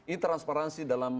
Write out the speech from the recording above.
ini transparansi dalam